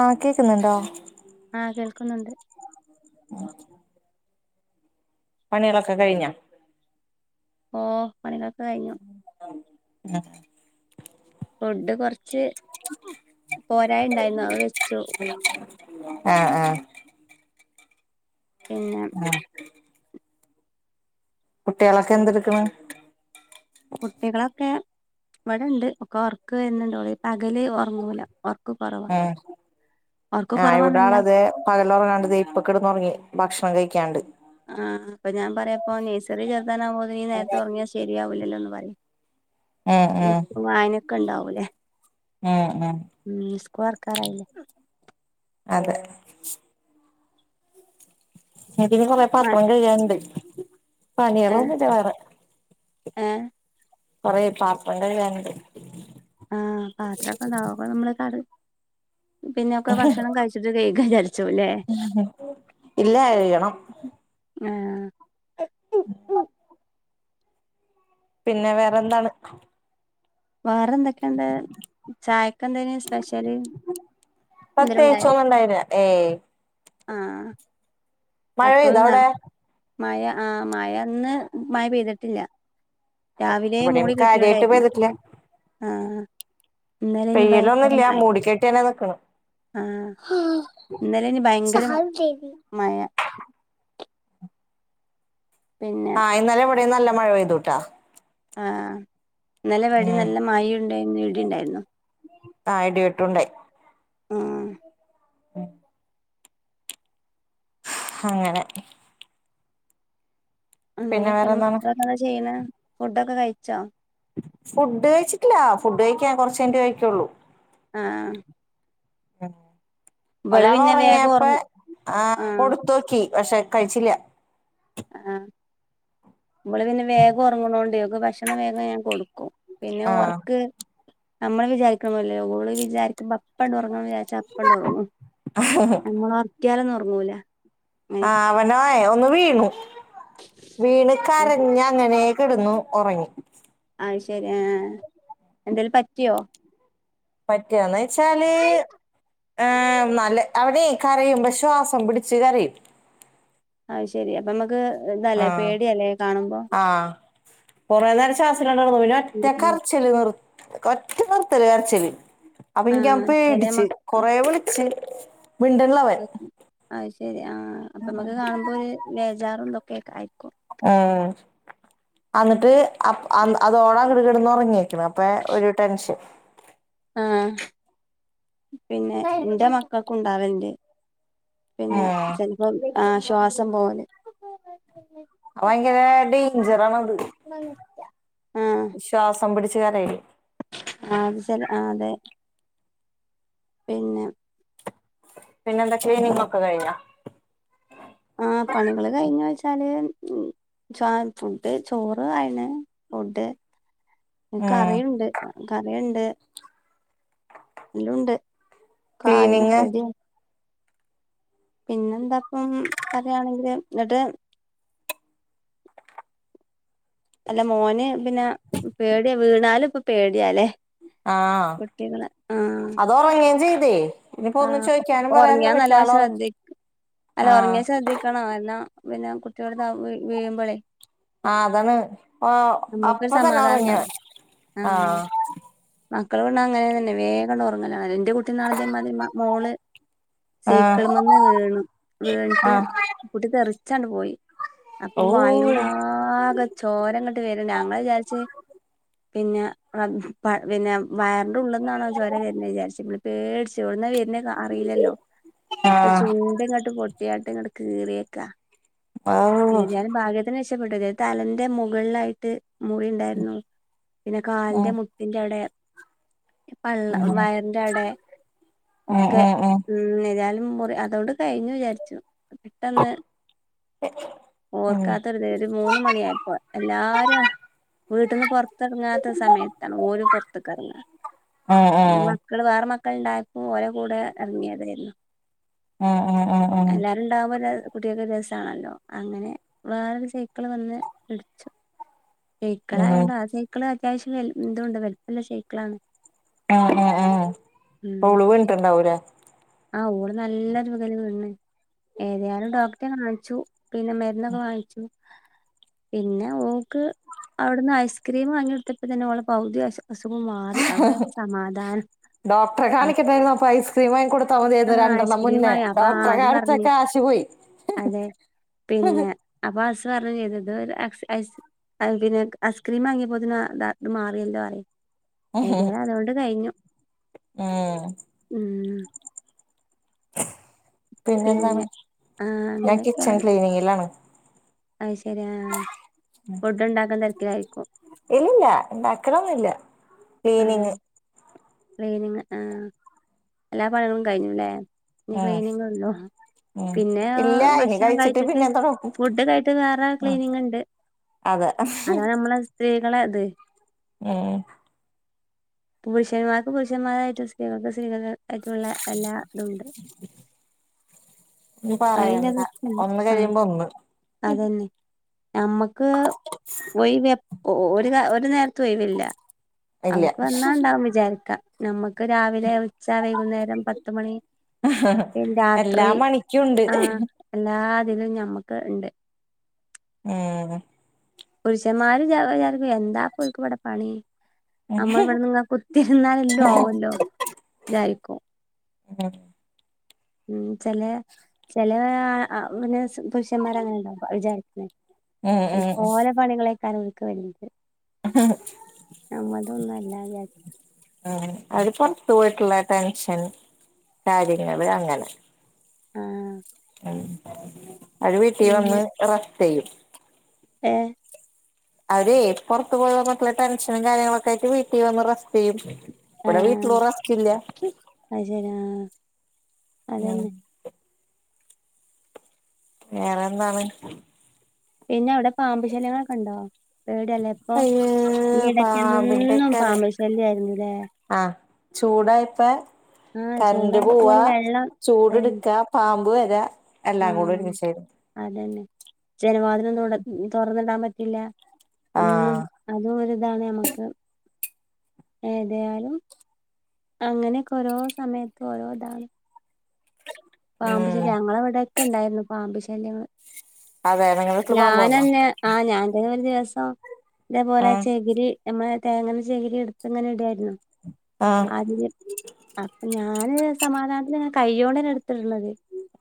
ആഹ് കേൾക്കുന്നുണ്ടോ ആഹ് കേൾക്കുന്നുണ്ട് [unintelligible] പണികളൊക്കെ കഴിഞ്ഞോ ഓഹ് പണികളൊക്കെ കഴിഞ്ഞു [inaudible] [unintelligible] ഫുഡ് കൊറച്ച് പോരായ് ഉണ്ടായിരുന്നു അത് വെച്ചു [unintelligible] ആഹ് ആഹ് പിന്നെ ആഹ് കുട്ട്യാളൊക്കെ എന്തെടുക്കണ് കുട്ടികളൊക്കെ ഇവിടൊണ്ട് ഒക്കെ ഒർക്കം വരുന്നുണ്ട് അവര് പകല് ഒറങ്ങുല്ല ഒറക്ക് കൊറവാ ആഹ് ഒറക്ക് ഇവിടെ കൊറവാന്നല്ല ആളതെ പകലൊറങ്ങാണ്ട് ദേ ഇപ്പോ കിടന്നുറങ്ങി ഭക്ഷണം കഴിക്കാണ്ട് ആഹ് അപ്പൊ ഞാൻ പറയും അപ്പോ നഴ്സറി ചേർത്താനാ പോവുന്നെങ്കി നേരത്തെ ഒറങ്ങിയാൽ ശരിയാവില്ലല്ലോ എന്ന് പറയും ഉം ഉം ഇപ്പം വായനൊക്കെ ഉണ്ടാവും ല്ലേ ഉം ഉം ഉം സ്കൂൾ തുറക്കാറായില്ലേ അതെ എനിക്കിനി കൊറെ മ പാത്രം കഴുകാനുണ്ട് ഏഹ് പണികളൊന്നുമില്ല വേറെ ഏഹ് കൊറേ പാത്രം കഴുകാനുണ്ട് ആഹ് പാത്രൊക്കെ ഉണ്ടാവും അപ്പോ നമ്മള് കറി പിന്നൊക്കെ ഭക്ഷണം കഴിച്ചിട്ട് കഴുകാം ന്ന് വിചാരിച്ചു ഇല്ല കഴുകണം ആഹ് [unintelligible] പിന്നെ വേറെന്താണ് വേറെ എന്തൊക്കെണ്ട് ചായക്കെന്ത പെതേങ്കിച്ചും ഉണ്ടായിരുന്നു ഒന്നുണ്ടായില്ല ഏയ് ആഹ് മഴ പെയ്തോ അവിടെ എപ്പോഴന്നാണ് മഴ ആഹ് മഴ ഇന്ന് മഴ പെയ്തിട്ടില്ല രാവിലെ ഇവിടെയും മൂടി കാര്യായിട്ട് കെട്ടിയോണ്ടായിരുന്നു പെയ്തിട്ടില്ല ആഹ് ഇന്നലേ അയിന് ഭയങ്കര പെയ്യലൊന്നുമില്ല മഴ മൂടിക്കെട്ടിയന്നെ നിക്കണ് ആഹ് ഇന്നലെ അയ്ന് ഭയങ്കര മഴ പിന്നെ ആഹ് ഇന്നലെ ഇവിടെ നല്ല മഴ പെയ്തു ട്ടാ ആഹ് ഇന്നലെ വൊടീം ഉം നല്ല മയഴുണ്ടായിരുന്നു ഇടിയുണ്ടായിരുന്നു ആഹ് ഇടി വെട്ടുണ്ടായി ആഹ് [unintelligible] അങ്ങനെ പിന്നെ അങ്ങനെയൊക്കെയ വേറെന്താണ് മക്കളൊക്കെ എന്താ ചെയ്യണ ഫുഡൊക്കെ കഴിച്ചാ ഫുഡ് കഴിച്ചിട്ടില്ല ഫുഡ് കഴിക്കാൻ കൊറച്ച് കഴിഞ്ഞിട്ടേ കഴിക്കുള്ളൂ ആഹ് ഉ ഇവള് ഒരാൾ പിന്നെ വേഗം ഒറങ്ങിയപ്പ ഉറങ്ങും ആ ആഹ് കൊടുത്തോക്കി പക്ഷെ കഴിച്ചില്ല ആഹ് ഇബള് പിന്നെ വേഗം ഒറങ്ങണോണ്ട് ഭക്ഷണ വേഗം ഞാൻ കൊടുക്കും പിന്നെ ആഹ് ഒറക്ക് നമ്മള് വിചാരിക്ണ് പോല്ലേല ഓൾ വിചാരിക്കുമ്പോ അപ്പണ്ട് ഉറങ്ങ വിചാ ചപ്പണ്ട ഒറങ്ങും ഞമ്മൾ ഒറക്കാലൊന്നും ഒറങ്ങൂല ആഹ് അവനായ ഒന്നു വീണു വീണ് കരഞ്ഞ അങ്ങനെ കിടുന്നു ഒറങ്ങി അഹ് ശരി ആ എന്തേലും പറ്റിയോ പറ്റിയോന്ന് വെച്ചാല് ഏ നല്ല അവനെ കരയുമ്പ ശ്വാസം പിടിച്ച് കരയും ആയ് ശരി അപ്പൊ നമുക്ക് ആഹ് ആഹ്കൊറേ നേരം ശ്വാസല്ലാണ്ട് കിടന്നു പിന്നെ ഒറ്റ ഉം ഉം. കരച്ചി ച്ചല് നിർ ഒറ്റ നിർത്തല് കരച്ചല് അപ്പൊ ആ എനിക്ക് ചെല പേടിച്ച് മക്ക കൊറെ വിളിച്ച് മിണ്ടളളവൻ അഹ് അത് ശരി ആഹ് അപ്പൊ നമക്ക് കാണുമ്പോ ഒരു ബേജാറ എന്തെക്കെയായിരിക്കും ഉം അന്നിട്ട് അപ് അ തോടാങ്ങട് കൊടന്ന് ഒറങ്ങി ണഅപ്പൊ ഒരു ടെൻഷൻ ആഹ് പിന്നെ എന്റെ മക്കൾക്കുണ്ടാവൽണ്ട് പിന്നെ ആഹ് ചെലപ്പോം ആ ശ്വാസം പോവല് അ ഭയങ്കര ഡേയിഞ്ചറണ് അത് ആഹ് ശ്വാസം പിടിച്ചുകരയല് ആഹ് അത് സെല ആ അതെ പിന്നെ പിന്നെ എന്താകെനി മക്ക കഴിയിനോ ആ പണികള് കഴിഞ്ഞോച്ചാല് ചോ ഫുഡ് ചോറ് അയിന് ഫുഡ് ആഹ് കറിയുണ്ട് കറിണ്ട് എല്ലുണ്ട് കായന ക്ലീനിങ് റെഡി പിന്നെന്താപ്പം പറയാണെങ്കില് എന്നിട്ട് അല്ല മോന് പിന്നെ പേടിയാ വീണാലപ്പൊ പേടിയല്ലേ കുട്ടികള് ആഹ് അത്ഓറങ്ങിംചെയ്തെ ഇനിപ്പോ ഒന്നും ആഹ് ചോദിക്കാനും ഒറങ്ങിയാ പറയാനൊന്നും പറ്റുല നല്ലോം ആള് ഉറങ്ങി ആഹ് ണ എന്നാ പിന്നെ കുട്ടികടുത്ത് വീഴുമ്പോളേ ആഹ് അതാണ് പ്പൊ നമ്മക്കൊരു അപ്പൊ തന്നെ സമാധാനം ഉറങ്ങി അവൻ ആഹ് മക്കൾ വീണ അങ്ങന തന്നെ വേഗണ് ഉറങ്ങല എന്റെ കുട്ടീന്നാണ അതേ മാതിരി മോള് ആഹ് സേക്കളമെന്ന് വീണു വീണിട്ട് ആഹ് കൂട്ടി തെറിച്ചാണ്ട് പോയി അപ്പൊ ഓ വായിലൂടെ ആകെ ചോരങ്ങോട്ട് വരണ്ട് ഞങ്ങള് വിചാരിച്ച് പിന്നെ പിന്നെ വയറിന്റെ ഉള്ളി ന്നാണോ ചോരെ വ വിചാരിച്ചു പേടിച്ചു എവിടന്നാ പിന്നെ അറിയില്ലല്ലോ അപ്പൊ ആഹ് ചുണ്ട് ഇങ്ങോട്ട് പൊട്ടിയാട്ട് ഇങ്ങോട്ട് കീറിയേക്കാ ഓ ഏതായാലും ഭാഗ്യത്തിന് രക്ഷപ്പെട്ടു അതായത് തലന്റെ മുകളിലായിട്ട് മുറി ഉണ്ടായിരുന്നു പിന്നെ കാലിന്റെ ഉം മുട്ടിന്റെ അവിടെ പള്ള വയറിന്റെ അവിടെ ഉം ഒക്കെ ഉം ഉം ഉ എരാലും മുറി അതൊണ്ട് കഴിഞ്ഞു വിചാരിച്ചു പെട്ടെന്ന് ഉം ഓർക്കാത്തരുത ഒരു മൂന്ന് മണിയായപ്പോ എല്ലാരും വീട്ടിൽന്ന് പുറത്തിറങ്ങാത്ത സമയത്താണ് ഊര് പുറത്തക്ക ഇറങ്ങി ആഹ് ആഹ് മക്കള് വേറെ മക്കളുണ്ടായപ്പോ ഓര കൂടെ ഇറങ്ങിയതായിരുന്നു ആഹ് ആഹ് ആഹ് എല്ലാരും ഉണ്ടാവുമ്പോ കുട്ടികക്കെ രസമാണല്ലോ അങ്ങനെ വേറൊരു സൈക്കിള് വന്ന് ഇടിച്ചു സൈക്കിള ഉം ഉം ആയോണ്ടോ ആ സൈക്കിള് അത്യാവശ്യം എന്തൊണ്ട് വലുപ്പ സൈക്കിളണ് ആഹ് ആഹ് ആഹ് [inaudible] ഇട്ടിട്ടുണ്ടാ ആഹ് ഊള് നല്ല വീഴൽ വീണ് ഏതായാലും ഡോക്ടറെ കാണിച്ചു പിന്നെ മരുന്നൊക്കെ വാങ്ങിച്ചു പിന്നെ ഓക്ക് അവിടുന്ന് ഐസ്ക്രീം വാങ്ങിയെടുത്തപ്പോ തന്നെ പകുതി അസുഖം മാറി അപ്പോ സമാധാനം ഡോക്ടറെ അപ്പ കാണിക്കണ്ടായിരുന്ന അപ്പൊ ഐസ്ക്രീം ഐസ്ക്രീം വാങ്ങി കൊടുത്താൽ മതിയരുന്നു രണ്ടെണ്ണം ഐസ്ക്രീം മുന്നേ വാങ്ങി അപ്പൊ ആ ഡോക്ടർ അത് കാണിച്ച പറഞ്ഞ് കാശ് പോയി അതെ പിന്നെ അപ്പൊ ഹസ് പറഞ് ചെയ്തത് പിന്നെ ഐസ്ക്രീം വാങ്ങിയപ്പോതി അത് മാറിയല്ലോ പറഞ്ഞു ഏതായാലും അതുകൊണ്ട് കഴിഞ്ഞു ആഹ്‌ ഉം പിന്നെന്താണ് പിന്നെ ആ ഞാൻ അങ്ങനെയൊക്കെയാണ് കിച്ചൺ ക്ലീനിങ്ങിലാണ് അത് ശരി ആഹ്‌ ആഹ് ഫുഡ് ഉണ്ടാക്കാൻ തിരക്കിലാവും ഇല്ലല്ല ഉണ്ടാക്കൽ ഒന്നുമില്ല ആ ക്ലീനിങ് ക്ലീനിങ് ആഹ് എല്ലാ പണികളും കഴിഞ്ഞുല്ലേ ഇനി ഉം ക്ലീനിങ് ഉള്ളൂ ഉം പിന്നെ ഇല്ല ഇനി ഭക്ഷണം കഴിച്ചിട്ട് പിന്നെ തൊടങ്ങും ഫുഡ് കഴിഞ്ഞിട്ട് വേറെ ഉം ക്ലീനിങ് ഉണ്ട് അതെ [inaudible] അതാണ് നമ്മളെ സ്ത്രീകളെ അത് ഏ [inaudible] പുരുഷൻ മാർക്ക്‌ പുരുഷന്മാരായിട്ടും സ്ത്രീകൾക്ക് സ്ത്രീകളത് ആയിട്ടും എല്ലാം ഉണ്ട് അയിന്റെ പറയണ്ട ഒന്ന് കഴിയുമ്പോ ആഹ് ഒന്ന് [inaudible] അതന്നെ നമ്മക്ക് ഒഴവ് ഒരു ഒരു നേരത്ത് ഒഴിവില്ല ഇല്ല അവർക്ക് വന്നാ ഉണ്ടാവും വിചാരിക്ക നമ്മക്ക് രാവിലെ ഉച്ച വൈകുന്നേരം പത്ത് മണി രാത്രി [inaudible] ുണ്ട് ആഹ് എല്ലാതിലും ഞമ്മക്ക് ഉണ്ട് ആഹ് പുരുഷൻമാർ വിചാരിക്കും ഇവർക്ക് എന്താ ഇത്ര ഇവിടെ പണി നമ്മൾ ഇവിടെന്ന്ങ്ങ കുത്തിരുന്നാല എല്ലോ ആവല്ലോ ഇതാരിക്കും ആഹ് ഉം ചില ചെില ആഹ് [inaudible] അച്ഛന്മാർ അങ്ങനെ ഉണ്ടാവും ഉം ഉം വിചാരിക്കുന്നേലെ പണികൾ ആയിരിക്കാം വരുന്നത് [unintelligible] നമ്മതൊന്നും അല്ലാ [inaudible] ഉ അവര് പുറത്തു പോയിട്ടുള്ള ടെൻഷൻ കാര്യങ്ങള് അങ്ങനെ ആഹ്‌ ഉം അവര് വീട്ടി പിന്നെ വന്ന് റസ്റ്റെയ്യും ഏഹ് അവര് പൊർത്തു പോയിന്നിട്ടുള്ള ടെൻഷനും കാര്യങ്ങളൊക്കെ ആയിട്ട് വീട്ടിൽ വന്ന് റെസ്റ്റെയ്യും വ്ടെ വീട്ടിലൊ റസ്ക്കില്ല അയ്ശെരിയാ. ങ്ങനെ വേറെന്താണ് പിന്നെ അവിടെ പാമ്പ് ശല്യങ്ങളൊക്കെ ഉണ്ടോ പേട്യല്ലേ പ്പൊ അയ്യേ ഈ ഇടക്ക് എന്നും പാമ്പിന്റെക്കത് പാമ്പശല്യ ആയിരുന്നുല്ലേ ആഹ് ചൂടായപ്പ ആഹ് കര്ന്റ് ചൂടായിട്ട് പോവാ പോലും വെള്ളം ചൂട് അതന്നെ ട്ക്കാ പാമ്പ് വെരാ ആഹ് അതന്നെ ജനവാതിലൊന്നുവ്ടെ തൊർന്നിടാൻ പറ്റില്ല ഒന്നും ആഹ് അതും ഒരിതാണ് നമ്മക്ക് ഏതായാലും അങ്ങനൊക്കെ ഓരോ സമയത്തും ഓരോ താണ് പാമ്പു ഉം ശല്യം ഞങ്ങളെ ഇവിടൊക്കെ ണ്ടായിര്ന്നു പാമ്പു ശല്യങ്ങള് അതെ നിങ്ങളെ വീട്ടില് പാമ്പ് വന്നോ ഞാനെന്നെ ആഹ് ഞാൻന്ത ഒരു ദിവസം ഇതേപോലെ ഉം ചെകിരി നമ്മള തേങ്ങൻ ചെകിരി എടുത്ത് ഇങ്ങനെ ഇടു ആയിരുന്നു ഉം അതിന് അപ്പൊ ഞാന് സമാധാനത്തി കൈയോണ്ടന്നെ എട്ത്തിട്ണത്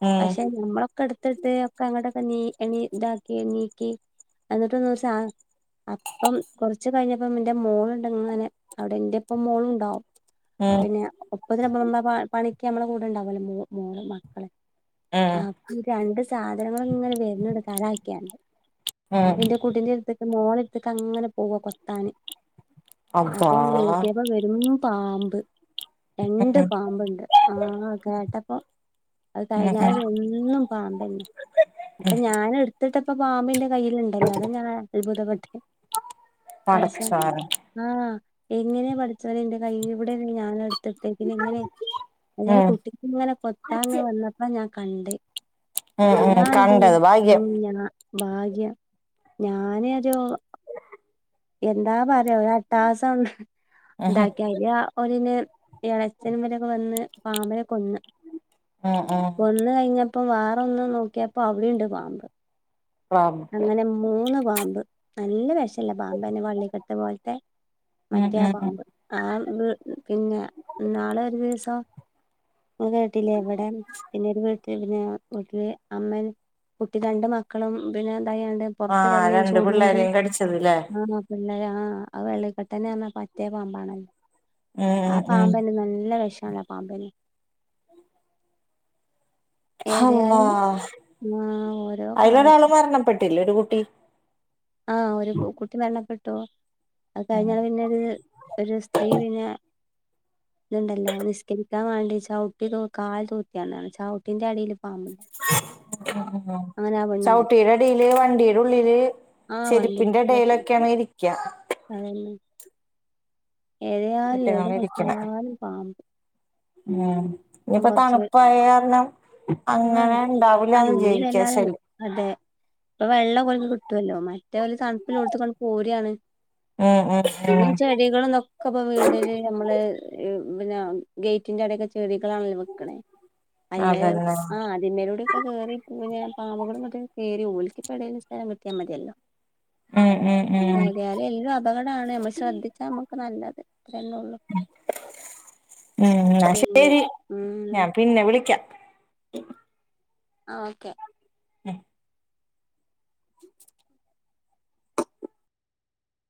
ഉം പക്ഷെ നമ്മ ക്കട്ത്ത്ട്ട് ഒക്കെ അങ്ങോട്ടൊക്കെ നീ എണീ താക്കി നീക്കി എന്നിട്ട് ഒന്നും സാ അപ്പം കൊറച്ച് കഴിഞ്ഞപ്പ ന്റെ മോളുണ്ടങ്ങനെ അവിടെ ന്റെപ്പം മോളും ണ്ടാവും ഉം പിന്നെ ഒപ്പത്തിനൊപ്പ നമ്മള പണിക്ക് നമ്മളെ കൂടെണ്ടാവല്ലോ മോ [unintelligible] ആ ഉം രണ്ട് സാധനങ്ങള് ഇങ്ങനെ വര്ന്ന്ണ്ട് തല ആക്കിയാ ഉം അപ്പ ന്റെ കുട്ടീന്റെട്ത്ത്ക്ക് മോളട്ത്ത്ക്ക് അങ്ങനെ പോവാ കൊത്താന് അബ്ബാ അപ്പം നോക്കിയപ്പ വരുന്നു പാമ്പ് രണ്ട് ഉം പാമ്പ്ണ്ട് ആഹ് കേട്ടപ്പം അത് ഉം ഉം കഴിഞ്ഞാലും എന്നും പാബെന്നെ പ്പൊ ഞാനെട് ഇട്ടപ്പ പാമ്പ് ന്റെ കയ്യിയിലുണ്ടല്ലോ അതാ ഞാൻ അത്ഭുതപ്പെട്ട് പട്ച്ചോൻ പടച്ചോനെ ആഹ് എങ്ങനെ പട്ച്ചോനെ ന്റെ കയ് ഇവിടെന്ന ഞാനെട്ത്ത് തെ പിന്നെങ്ങനെ അല് ഉം കുട്ടിക്ക് ഇങ്ങനെ കൊത്താ അങ്ങ് വന്നപ്പ ഞാൻ കണ്ട് ഉം ഞാനാ ഉം എന്തയ്യും കണ്ടത് ഭാഗ്യം ഉം ഞാ ഭാഗ്യം ഞാനൊരു എന്താ പറയാ ഒരു അട്ടഹാസം ഉം ഇതാക്കിയ ഒന് ഇളച്ചൻ വരൊക്കെ വന്ന് പാമ്പിനെ കൊന്ന് ഉം ഉം കൊന്ന് കഴിഞ്ഞപ്പോം വേറെ ഒന്ന് നോക്കിയപ്പോ അവിടെണ്ട് പാമ്പ് റബ്ബേ അങ്ങനെ മൂന്ന് പാമ്പ് നല്ല വിഷളള പാമ്പ് അനെ വള്ളിക്കെട്ട് പോലത്തെ ഉം മറ്റേ ആ ഉം ഉം പാമ്പ് ആ പിന്നെ നാളെ ഒരു ദിവസം ങ്ങേ കേട്ടില്ലേ എവിട പിന്നൊരു വീ ക് പിന്നെ വീട്ടില് അമ്മയും കുട്ടി രണ്ട് മക്കളും പിന്നെ തായാണ്ട് പൊറത്ത് ആഹ് കിടന്നയ്ന് രണ്ട് ചൂടൊണ്ട് പിള്ളേരെയും കടിച്ചത് ല്ലേ ആഹ് പിന്നലെ ആഹ് വെള്ളിക്കെട്ടന് അർഞ്ഞാ മറ്റേ പാമ്പാണല്ലോ ഉം ആ ഉം ഉം പാമ്പ് നല്ല വിഷല്ല പാമ്പന്നെ ഏതായാലും അള്ളാഹ് ആഹ് ഓരോ കാൽ മരണപ്പെട് ത്തില്ലൃ ഒരു കുട്ടി ആഹ് ഒരു കുട്ടി മരണപ്പെട്ടു അത് കഴിഞ്ഞാപൊ പിന്നെ ഒരു ഒരു സ്ത്രീ പിന്നെ ഇത്ണ്ടല്ലോ നിസ്കരിക്കാം വേണ്ടി ചവിട്ടി തു കാൽ തൂത്യാണ് പർഞ്ഞ് ചൗ ട്ടിന്റെ അടീല് പാമ്പ് [unintelligible] പെണ്ണ് മരിച്ചു ചൗട്ടിടെ റിലെ വണ്ടീടെ ഉള്ളില് ആ ചെരുപ്പിന്റെ എടേലൊക്കെണ് ഇരിക്ക്യാ അതല്ലേ. ഏതയാലും എവിടെ കുറ്റങ്ങള് നോക്ക്യാലും പാമ്പ്. ഞാൻ ഇപ്പം ഇനിയിപ്പോ കുറച്ച് തണുപ്പായ കാരണം ആഹ് അങ്ങനെ ആഹ് ഉണ്ടാവില്ലാന്ന് ഇനി ജീവിക്ക്യാ വല്ലാതെ ശൽ അതെ വെള്ളം ഓൽക്ക് കിട്ടൊല്ലോ മറ്റേ ഓല് തൺപ്പില്ലോട്ത്ത്ക്കൺ പോര്യാണ് ഉം ഉം പിന്ന ഉം ച്ച സ്ത്രീകള് ഇന്ന് ഒക്കപ്പോ വീടില് നമ്മള് പിന്നെ ഗൈറ്റിന്റെ അവടൊക്കെ ചെടി കളാണല്ലോ വെക്ക്ണെ അതിമെ അതന്നെ ആ. ചുമരിലുടെ ഒക്കെ കയറി [unintelligible] പാമ്പുകള് ങ്ങട്ട് കയറി ഓൽക്കിപ്പോ എഡോൽ സ്ഥലം കിട്ട്യാ മതിയല്ലോ ഉം ഉം ഉം ഉം എത്യാലും എല്ലാം അപകടാണ് നമ്മൾ ശ്രദ്ധിച്ചാൽ നമുക്ക് നല്ലത് അത്രന്നെ ഉള്ളൂ. ഉം ന്നാ പിന്നെ ശരി ഉം ഞാൻ പിന്നെ വിളിക്ക്യ ആഹ് ഉം